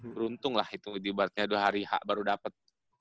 beruntung lah itu dibuatnya dua hari h baru dapet